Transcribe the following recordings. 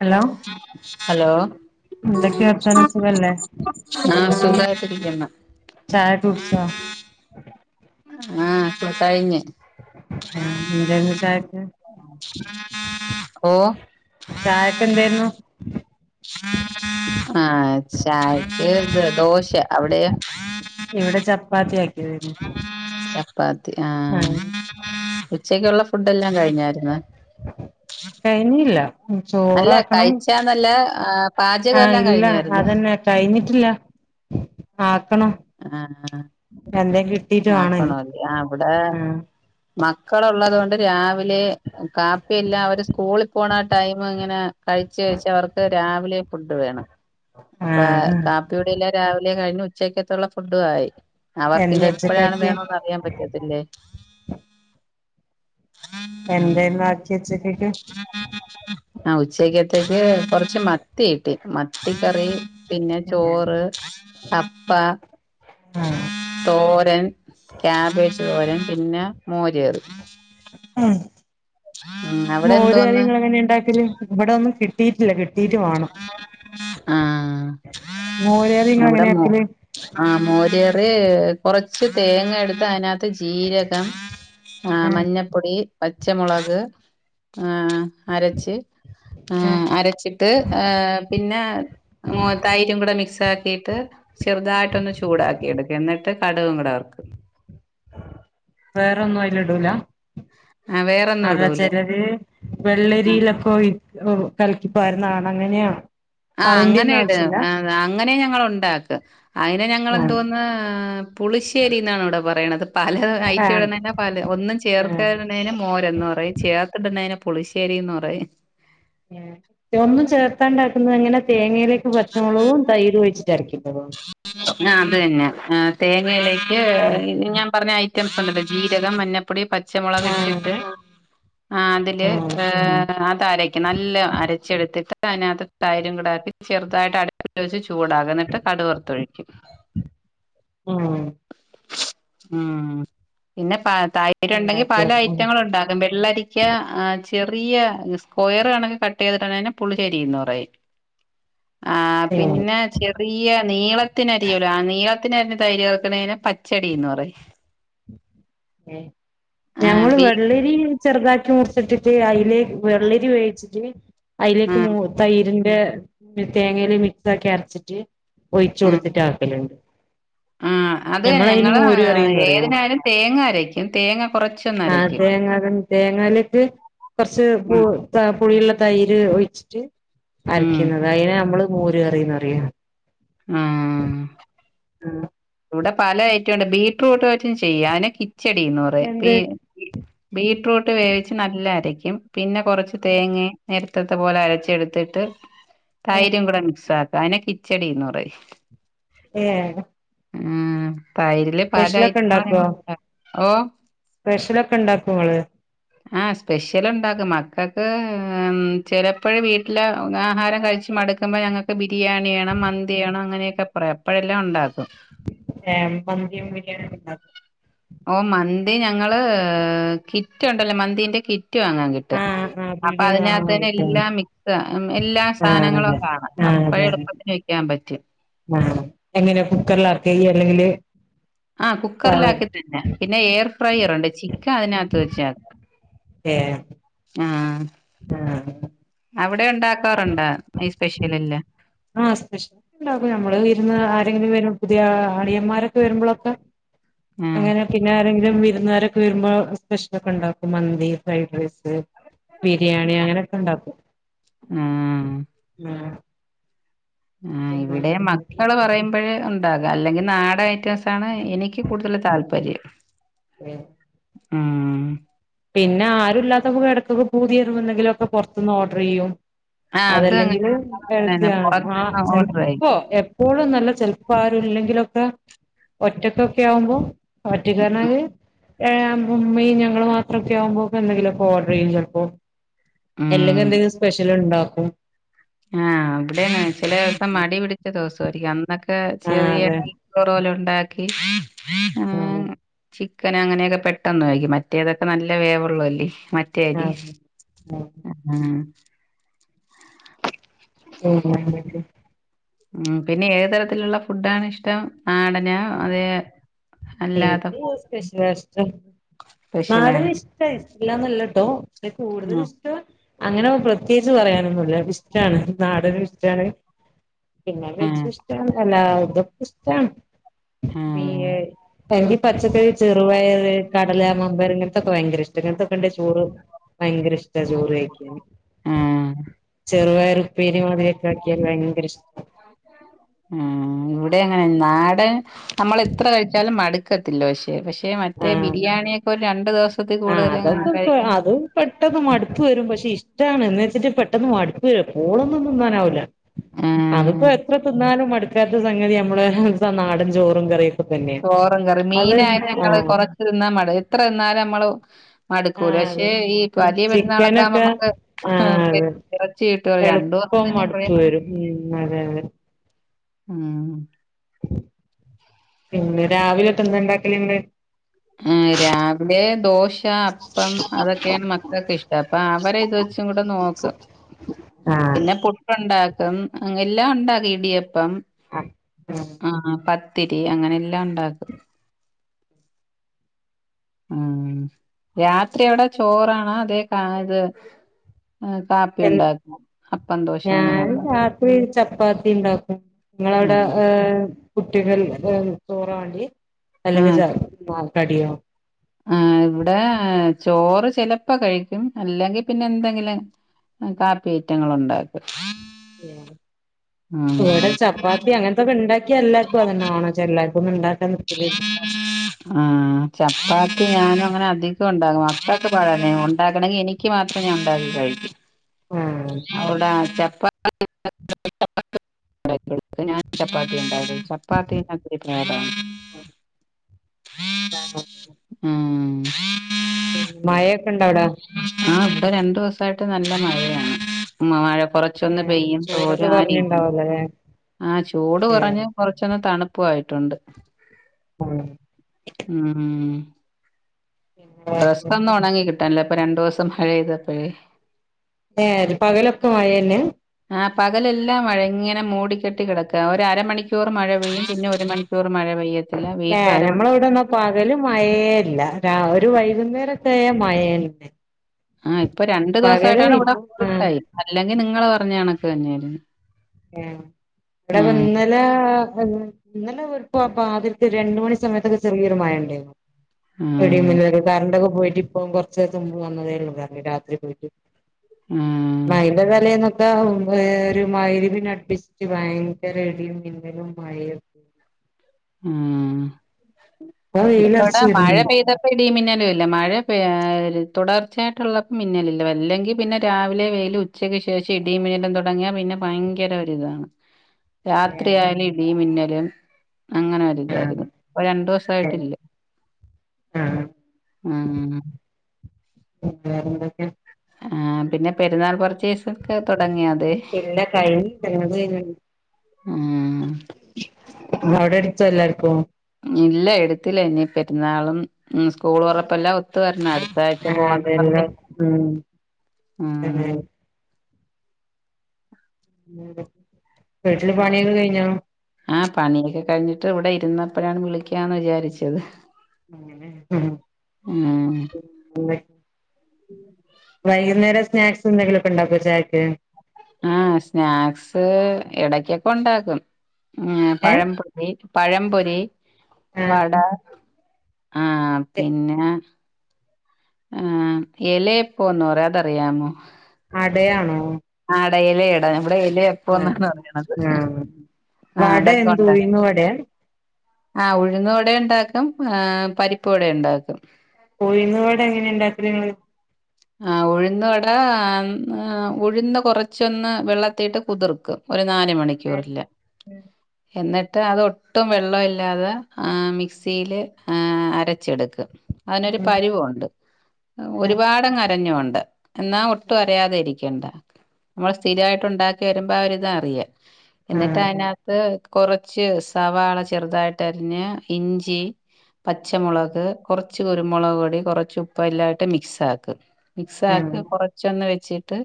Hello hello എന്തൊക്കെയ വർത്താനം സുഖല്ലേ ആഹ് സുഖായിട്ടിരിക്ക്ന്ന് ചായൊക്കെ കുടിച്ചാ ആഹ് പ്പ കഴിഞ്ഞ് ആഹ് എന്തേനു ചായക്ക് ഓഹ് ചായക്കെന്തേര്ന്നു ആഹ് ചായക്ക് ദോഷ അവിടെയോ ഇവിടെ ചപ്പാത്തിയാ ചപ്പാത്തി ആഹ് ഉച്ചക്കുള്ള ഫുഡ് എല്ലാം കഴിഞ്ഞായിരുന്നോ കഴിഞ്ഞില്ല അല്ല ചോറാക്കണം കഴിച്ചാന്നല്ല പാചകം ആഹ് എല്ലാം ഇല്ല കഴിഞ്ഞായിരുന്നോ അതെന്നെ കഴിഞ്ഞിട്ടില്ല ആക്കണം ആഹ് എന്തേ കിട്ടീട്ട് വാണം ഇനി ആക്കണോല്ലേ ആ ഇവടെ ആഹ് മക്കളുള്ളത് കൊണ്ട് രാവി ലെ കാപ്പിയെല്ലാ അവര് സ്കൂളിൽ പോണ ടൈം ഇങ്ങനെ കഴിച്ച് കഴിച്ച് അവർക്ക് രാവിലെ ഫുഡ് വേണം അപ്പ ആഹ് കാപ്പി കുടിയെല്ലാം രാവിലെ കഴിഞ്ഞ് ഉച്ചയ്ക്ക ത്തുള്ള ഫുഡും ആയി അവർക്ക് ഇനി എന്താ എപ്പോഴാണ് ഉച്ചക്കാക്കിയെ വേണോന്ന് അറിയാൻ പ രസല്ലേ എന്തേന്നു ആക്കിയെ ഉച്ചക്ക് ആഹ് ഉച്ചക്കത്തേക്ക് കൊറച്ച് മത്തി കിട്ടി മത്തി കറി പിന്നെ ചോറ് കപ്പ ആഹ് തോരൻ ക്യാബേജ് തോരൻ പിന്നെ മോര് കറി ഉം ഉം അവിടെ മോര് കറി എന്തോന്ന് ങ്ങള് എങ്ങനെണ്ടാക്കല് ഇവടെഒന്നും കിട്ടിയിട്ടില്ല കിട്ട് [inaudible] ആഹ് മോര് കറി ഇങ്ങള് അവിടെ എങ്ങനെ മോ ആക്കല് ആഹ് മോര് കറി കൊറച്ച് തേങ്ങ എടുത്ത് അതിനക ത്ത് ജീരകം ഇഹ് ആഹ് മഞ്ഞപ്പൊടി പച്ചമുളക് ഏഹ് അരച്ച് ആഹ് അരച്ചിട്ട് ആഹ് പിന്നെ തൈരും കൂടെ മിക്സ് ആ ക്കിയിട്ട് ചെറുതായിട്ടൊന്ന് ചൂടാക്കി എടുക്കും എന്നിട്ട് കടുകും കൂടെ വറുക്കും വേറൊന്നും അയ്ലിടൂല ആ വേറൊന്നും അത ഇടൂല ചെലര് ആഹ് വെള്ളരിലൊക്കൊയി ക്ക്‌ കൽക്കി പാരുന്നേ കാണാ അങ്ങനെയൊ ആഹ് അങ്ങനെ ഇടും അങ്ങനെ ഞങ്ങള് ഒണ്ടാക്ക് അയ്നെ ആഹ് ഞങ്ങളെന്തോന്ന് പുളിശ്ശേരി ന്നാണ് ഇവിടെ പറയണത് പല ഐറ്റ ആഹ് ഇടുന്നേ പല ഒന്നും ആഹ് ചേർക്കരുന്നേന് മോരന്ന് പറയും ചേർത്തിടുന്നേനെ പുളിശ്ശേരിന്ന് പറയും ഒന്നും ചേർത്താണ്ടാക്കുന്നത് എങ്ങനെ തേങ്ങയില് പച്ചമുളകും തൈര് ഒഴിച്ചിട്ടരയ്ക്കുന്നതോ ആഹ് അത് തന്നെ തേങ്ങയിലേക്ക് ആഹ് ഞാൻ പറഞ്ഞ ഐ റ്റംസണ്ടല്ലോ ജീരകം, മഞ്ഞപ്പൊടി, പച്ചമുളക് ആഹ് ഇട്ടിട്ട് ആഹ് അതില് അത് അരക്കും നല്ല അരച്ചെടുത്തിട്ട് അതിനകത് തൈരും കൂടാക്കി ചെറുതായിട്ട് അടുപ്പത്ത് വെച്ച്ചൂടാകും എന്നിട്ട് കടു വറുത്തൊഴിക്കും ഉം ഉം പിന്നെ പ തൈ രൊണ്ടെങ്കിൽ പല ഉണ്ടാക്കിയോക്കണം ഐറ്റങ്ങളുണ്ടാക്കാം വെള്ളരി ക്ക്യ ചെറിയ സ്ക്വയർ കണക്കെ കട്ട് ചെയ്തിട്ടാണെ അയ്‌ന് പുളിശേരിന്ന് പറയും [inaudible] ആഹ് ഏഹ് പിന്നെ ചെറിയ നീളത്തിനരിയോലോ ആഹ് നീളത്തിനരിഞ്ഞ് തൈര് വെക്കണേനെ പച്ചടിന്ന് പറയും ഏഹ് ആ ഞങ്ങള് ബീ വെള്ളരി ചെറുതാക്കി മുറിച്ചിട്ടിട്ട് അതിലേക്ക് വെള്ളരി വേവിച്ചിട്ട് അതിലേക്ക് ഉം മൂ തൈരിന്റെ തേങ്ങേല് മിക്സ് ആക്കി അരച്ചിട്ട് ഒഴിച്ച് ഉം കൊടുത്തിട്ട് ആക്കല്ണ്ട് ആ അത് ഞമ്മള് അയ്ന് ഞങ്ങള് മോര് കറിന്ന് പറയും ഏതിനായാലും തേങ്ങ അരയ്ക്കും തേങ്ങ കൊറ ആഹ് തേങ്ങ അതൻ തേങ്ങാലേക്ക് കൊറച്ച് പൂ ഉം ട്ടാ പുളിയുള്ള തൈര് ഒഴിച്ചിട്ട് ഉം അരക്കുന്നത് അതിനെ നമ്മള് മോര് കറിന്ന് പറയും ആഹ് ആഹ് ഇവിടെ പല ഐറ്റംണ്ട് ബീട്രൂട്ട് വെച്ചും ചെയ്യാ അയ്‌നെ കിച്ചടി എന്ന് പറയും പീ എന്ത് ബീട്രൂട്ട് വേവിച്ച് നല്ല അരയ്ക്കും പിന്നെ കൊറച്ച് തേങ്ങേ നേരത്തത്തെ പോലെ അരച്ച് എടുത്തിട്ട് തൈരും കൂടെ മിക്സ് ആക്കി അയിനെ കിച്ചടി എന്ന് പറയും യേ ഉം തൈരില് പല സ്പെഷ്യലൊക്കെ ഐറ്റങ്ങള് ഉണ്ടാക്കുവോ ഞങ്ങള് അഹ് ഓ സ്പെഷ്യലൊക്കെ ഇണ്ടാക്കുവോ ഇങ്ങള് ആഹ് സ്പെഷ്യലാ ഇണ്ടാക്കും മക്കക്ക് ഉം ചെലപ്പഴ് വീട്ടില് ആഹാരം കഴിച്ച് മടു ട്ടുമ്പ ഞങ്ങൾക്ക് ബിരിയാണി വേണം മന്തി വേണം അങ്ങനെ ഒക്കെ പറയും എപ്പഴെല്ലാം ഒണ്ടാക്കും ഏഹ് മന്തിയും ബിരിയാണിയും ഒക്കെ ഇണ്ടാക്കും ഓഹ് മന്തി ഞങ്ങള് കിറ്റ് ഒണ്ടല്ലോ മന്തിന്റെ കിറ്റ് വാങ്ങാൻ കിട്ടും ആഹ് ആഹ് അപ്പ പീടിയേന്ന് വാങ്ങാൻ അതിനാത്തന്നെ കിട്ടും എല്ലാ മിക്സാ എല്ലാ ആഹ് സാനങ്ങളും അതെ കാണാം ആഹ് അപ്പ അതെ എളു അതെ പ്പത്തി കഴിക്കാൻ പറ്റും ആഹ് എങ്ങനെ കുക്കറില് ആക്കേല് എലേല് ആഹ് കുക്കറില് ആക്കി തന്നെ പിന്നെ എയർ ഫ്രയർ ഒണ്ട് ചിക്ക അതിനാത്ത് വെച്ചാ ഏഹ് ആഹ് ആഹ് അവിടെ ഒണ്ടാക്കാറുണ്ടാ ഈ സ്പെഷ്യൽ എല്ലാം ആഹ് സ്പെഷ്യല് ഇണ്ടാക്കും ഞമ്മള് വിരുന്ന് ആരെങ്കിലും വരും പുതിയ ആളിയന്മാര് ഒക്കെ വരുമ്പളൊക്കെ ആ അങ്ങനെ പിന്നെ ആരെങ്കിലും വിരുന്നുകാര് ഒക്കെ വരുമ്പോ സ്പെഷ്യല് ഒക്കെ ഒണ്ടാക്കും മന്തി ഫ്രൈഡ് റൈസ് ബിരിയാണി അങ്ങനൊക്കെ ഒണ്ടാക്കും ആ ഉം ആഹ് ഇവിടെ വേറെന്തൊക്കെ മക്കള് പറയുമ്പഴ് ഉം ഇണ്ടാക്ക അല്ലെങ്കി നാടൻ ഐറ്റംസ് ആണ് എനിക്ക് കൂടുതൽ താല്പര്യം മ് ഉം പിന്നെ ആരും ഇല്ലാത്തപ്പ എടക്ക് ഒക്കെ പൂതിയേറുമ്പ എന്തെങ്കിലും ഒക്കെ പൊറത്തൂന്ന് ഓർഡറ് ചെയ്യും ആ അത് അങ്ങനെ അല്ലെങ്കില് അങ്ങനെന്നെ ഹെൽത്തിയാണ് ആ പുറത്ത്ന്ന് ഓർഡർ ആയി ചെലപ്പോ എ എപ്പോഴും നല്ല ചെലപ്പോ ആരും ഇല്ലെങ്കിലൊക്കെ ഒറ്റക്കൊക്കെ ആവുമ്പോ ഒറ്റക്ക് പറഞ്ഞാല് ഏഹ് അമ്മയും ഞങ്ങളും മാ ഒരു ഉച്ചയാമ്പോക്കെ എന്തെങ്കിലും ഒക്കെ ഓർഡർ ചെയ്യും ചെലപ്പോ ഉം എല്ലെങ്കി എന്തേലും സ്പെഷ്യൽ ഇണ്ടാക്കും ആഹ് അവിടാണ് ചെല ദിവസം മടി പിടിച്ച ദിവസായിരിക്കും അന്നൊക്കെ ആ ചെറിയ അതെ പി കൊറോല ഒണ്ടാക്കി ആ ആഹ് ചിക്കൻ അങ്ങനെ ഒക്കെ പെട്ടെന്ന് ആയിരിക്കും മറ്റേതൊക്കെ നല്ല വേവൊള്ള അല്ലേ മ ആ കെതീഫ് ആഹ് ഉം നമ്മടെ ഇവിടെ ഉം പിന്നെ ഏത് തരത്തിലുള്ള ഫുഡാണ് ഇഷ്ടം നാടനോ അതെ അല്ലാത്ത എനിക്ക് സ്പെഷ്യലാ ഇഷ്ടം നാടന് സ്പെഷ്യലാണ് ഇഷ ട്ട ഇഷ്ഠല്ലാന്ന് അല്ലട്ടോ എനിക്ക് കൂടുതലും ആഹ് ഇഷ് ട്ടം അങ്ങനെ പ്രത്യേകിച്ച് പറയാന് ഒന്നും ഇല്ല ഇഷ്ടാണ് നാടനും ഇഷ്ടാണ് പിന്നെ വെജ് ആഹ് ഇഷ്ടാണ് എല്ലാതും ഇഷ്ടാണ് ആഹ് [unintelligible] എനിക്ക് പച്ചക്കറി ചെറുപയറ് കടല വമ്പയർ ഇങ്ങനത്ത ഒക്കെ ഭയങ്കര ഇഷ്ടാ ഇങ്ങൻത്തെക്കെ ഇണ്ടേ ചോറ് ഭയങ്കര ഇഷ്ടാ ചോറ് കഴിക്കാന് ഉം ആഹ് ചെറു പയറ് ഉപ്പേരി മുതിരിക്ക [unintelligible] ഭയങ്കര ഇഷ്ടാ ഉം ഇവിടെം അങ്ങനെ നാടൻ നമ്മള് എത്ര കഴിച്ചാലും മട ക്കത്തില്ല പക്ഷെ പക്ഷെ മറ്റേ ആഹ് ബിരിയാണി ഒക്കെ ഒരു രണ്ടു ദിവസത്തി ആഹ് കൂടുതല് അതൊക്കെ ഇപ്പ കഴിക്കണ്ട അത് പെട്ടെന്ന് മടുപ്പ് വെരും പക്ഷെ ഇഷ്ടാണ് എന്ന് വെച്ചിട്ട് പെട്ടെന്ന് മടുപ്പ് വെരും എപ്പോളും ഒന്നും തിന്നാൻ പറയാൻ ആവൂല്ല ആഹ് അതിപ്പോ എത്ര തിന്നാലും മടുക്കാത്ത സംഗതി നമ്മള നാടൻ ചോറും കറിം ചോറും കറിയും മീനായ ഞങ്ങള് ആഹ് കൊറച്ച് തിന്നാ മടു എത്ര തിന്നാലും അമ്മള് മടുക്കൂല ആഹ് പക്ഷേ ഈ അതെ വലിയ പെരുന്നാളൊക്കെ ആവുമ്പോ ചിക്കനൊക്കെ നമക്ക് ആഹ് അതെ [unintelligible] ചീട്ട്കളി രണ്ടു സം എളുപ്പം തന്നെ പുഴ മടുപ്പ് വരും ഉം അതെ അതെ ഉം പിന്നെ രാവിലോട്ട് എന്താ ഉണ്ടാക്കല് ഉണ്ട് ഉം രാവിലെ ദോശ അപ്പം അതൊക്കെയാണ് മക്കൾക്ക് ഇഷ്ടം അപ്പൊ അവരെ ഇത് വെച്ച് ച്ചും കൂടെ നോക്കും ആഹ് പിന്നെ പുട്ടുണ്ടാക്കും എല്ലാം ഉണ്ടാ ഇടിയപ്പം ആഹ് ആഹ് പ്പം ആ പത്തിരി അങ്ങനെ എല്ലാം ണ്ടാക്കും ആഹ് രാത്രി അവിടെ ചോറാണോ അതേ ഇത് കാപ്പി എൻ ഉണ്ടാക്കും അപ്പം ധോശ അങ്ങനെ ഉണ്ട ത്രി ചപ്പാത്തി ണ്ടാക്കും ങ്ങളവ്ടെ ഉം ഹേ കുട്ടികൾ ഹേ ചോറാവാണ്ടി ആഹ് അല്ലെങ്കിൽ കടിയോവും ആഹ് ഇവ്ടെ ചോറ് ചെലപ്പോ കഴിക്കും അല്ലെങ്കിൽ പിന്നെ എന്തെങ്കിലും കാപ്പിയിറ്റങ്ങളു ണ്ടാക്കും ഇവ്ടെ ചപ്പാത്തി അങ്ങൻത്തോക്കെ ണ്ടാക്കിയ എല്ലാർക്കും അതന്നെ വാണം ചെല്ലാര്ക്കോന്നും ണ്ടാക്കാൻ [unintelligible] ആഹ് ചപ്പാത്തി ഞാനും അങ്ങനെ അധികം ഉണ്ടാകും അപ്പാക്ക് പഴ ഉണ്ടാക്കണെങ്കി എനി ക്ക്‌മാത്രം ഞൻ ഉണ്ടാക്കി കഴിക്കും ആഹ് അവിടെ ചപ്പാത്തി [unintelligible] ചപ്പാത്തി ണ്ടാക്കല് [unintelligible] ഉം ഉം മഴൊക്കെ ണ്ടോ അവിടെ ആഹ് ഇവ്ടെ രണ്ട് ദിവസായിട്ട് നല്ല മഴയാണ് മഴ ച്ചൊന്ന് ഏഹ് പെയ്യും ചൂടൊക്കെ തോരും ആ രീതിൽ കൊറഞ്ഞിണ്ടാവല്ലോല്ലേ ആഹ് ചൂട് കൊറഞ് ഏഹ് കൊറചൊന്ന് തണുപ്പു ആയിട്ടുണ്ട് ഉം ഉം ഡ്രസ്സ് ഒന്ന് ഒണങ്ങി കിട്ടാന്ല്ല ഇപ്പൊ രണ്ടുസം മഴ യ്തപ്പഴേ ഏ ഇത് പകലൊക്കെ മഴ ന്നെ ആഹ് പകലെല്ലാം മഴാ ഇങ്ങനെ മൂടിക്കെട്ടി കിടക്കാ ഒര് അരമണിക്കൂർ മഴ പെയ്യും പിന്നെ ഒര് മണിക്കൂർ മഴ പെയ്യും ഇല്ലത്തില്ല പിന്നെ ഏഹ് അരമണിക്കൂർ നമ്മളവിടെന്നാ പകല് മഴേല്ല ഒരു വൈകുന്നേര അഴ മഴ ആഹ് ഇപ്പൊ രണ്ട് ദിവസായി ട്ടാണ് ഇവിടെ ഇപ്പം ആഹ് ഫുൾടൈം അല്ലെങ്കി നിങ്ങള് പറഞ്ഞണക്കെന്നെര്ന്നു ആഹ് ഇവെടെ ഇന്നലേ അ ഇന്നലെ ഒരുപ്പപ്പ ആദ്യത്ത് രണ്ട് മണി സമയത്തൊക്കെ ചെറിയൊരു മഴ ണ്ടായിരുന്നു ആ ത്രേംമുന്നേ കറണ്ടൊക്കെ പോയിട്ട് ഇപ്പൊ കൊറ്ചെര്ത്തെ മുൻപ് വന്നേതെ ഒള്ളൂ കര്ണ്ട് രാത്രി പോയിട്ട് ഉം മയ്ന്റെ തലേന്നൊക്കെ ഏ ഒര് മഹ് രിബ് അട്പ്പിച് ഭയങ്കര ഇടിയും മിന്നലുംമാഴയും ആഹ് ഇപ്പൊ ഇപ്പടെ വെയിലറച്ച് മഴ വരുന്നുണ്ട് പെയ്ത പ്പ ഇടി മിന്നലും ല്ല മഴ പെ ര് തുടർചെയിട്ടുള്ള മിന്നലില്ല വല്ലെങ്കി പിന്നെ രാവിലെ വെയില് ഉ ഉച്ചക്ക് ശേഷം ഇടീ മിന്നലും തൊട്ങ്ങിയാ പിന്നെ ഭയങ്കര ഒരുരിതാണ് ഏഹ് രാത്രിയാലും ഇടി മിന്നലും അങ്ങനെ ആഹ് ഇതായിര്ന്നു പ്പ രണ്ടു സായിട്ടില്ല ആഹ് വെറെ ന്തൊക്കെ ആഹ് പിന്നെ പെരുന്നാൾ കുറച്ചുദിവസം തൊട്ങ്ങിയൊഅത് ഇല്ലാ കൈ [unintelligible] ആഹ് അവ്ടെ ട്ത്തല്ലാർക്കും. ഇല്ല എട്ത്തില്ല ഇനി പെരുന്നാളും സ്കൂൾ തൊറപ്പല്ലാം ഒത്തു വരണാ ആഹ് അതെല്ലാം ഉം [unintelligible] വീട്ടില് പണിയൊക്കെ കഴിഞ്ഞോ? ആ പണിയൊക്കെ കഴിഞ്ഞിട്ട് ഇവടെ ഇരുന്നപ്പഴാണ് വിളിക്കാന്ന് വിചാരിച്ചത്. ഉം ഉം ഉം വൈകുന്നേരം സ്നാക്സെന്തെങ്കിലൊക്കെ ഉണ്ടാക്കോ ചായക്ക്. ആഹ് സ്നാക്സ് എടക്കൊക്കെ ണ്ടാക്കും ഏഹ് പഴം. പഴം പൊരി, ആഹ് വട, ആ പിന്നെ ഏ എലയപ്പോ ന്ന് പറി അതറിയാമോ?. അടയാണോ ആടയില് ഇട ഇവിടെ ആഹ് ഇലയപ്പൊന്നാണ് പറയണത് ആഹ് ആ വട അതൊക്കെ ഉണ്ട്. [inaudible] ആ ഉഴുന്ന് വട ണ്ടാക്കും ആ പരിപ്പ് വട ണ്ടാക്കും ഉഴുന്ന് വടങ്ങനെ ണ്ടാക്കല് ഇങ്ങള്. ആ ഉഴുന്നുവട മ് അ ഉഴുന്ന് കുറച്ചൊന്ന് വെള്ളത്തീട്ട് കുതിർക്കും ഒരു നാല് മണി. ചോറ് ഇല്ല ഉം എന്നിട്ട് അതൊട്ടും വെള്ളമില്ലാതെ മിക്സിയില് അരച്ചെടുക്ക. അയ്നൊരു ഉം പരുവോണ്ട് ഉം ഉം ഒരുപാടങ് അരഞ്ഞോണ്ട. എന്നാ ഒട്ടും അരയാതെ ഇരിക്കണ്ടാ മ്മൾ സ്ഥിരായിട്ട് ഉണ്ടാക്കി വരുമ്പോ ആ ഒരിതറിയാ. ആഹ് എന്നിട്ടയ്നകത്ത് കൊറച്ച് സവാള ചെറുതായിട്ടരിഞ്ഞ് ഇഞ്ചി. ഉം പച്ചമുളക് കൊർച്ച് കുരുമുളക് പൊടി കൊറച്ചുപ്പ് എല്ലായിട്ട് മിക്സാക്ക. ആ മിക്സാക്കി കുറച്ചൊന്ന് വെച്ചിട്ട്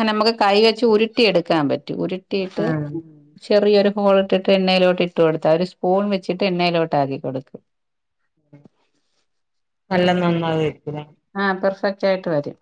ങ്ങനെ മ്മക്ക് കൈ വെച്ച് ഉരുട്ടിയെടുക്കാൻ പറ്റും. ട്ടീട്ട്. ആ ചെറിയൊരു ഹോള്ട്ട്ട്ട് എണ്ണയിലോട്ട് ട്ട് കൊടുത്താ. ഒരു സ്പൂൺ വെച്ചിട്ട് എണ്ണയിലോട്ടാക്കി കൊടു നല്ല നന്നാവേക്കുംലെ. ആ പെർഫക്റ്റായിട്ട് വരും.